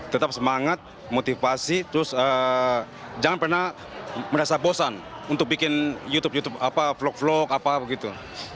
tetap semangat motivasi terus jangan pernah merasa bosan untuk bikin youtube youtube vlog vlog apa begitu